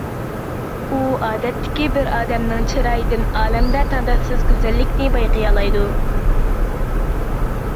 ئۇ ئادەتتىكى بىر ئادەمنىڭ چىرايىدىن ئالەمدە تەڭداشسىز گۈزەللىكىنى بايقىيالايدۇ.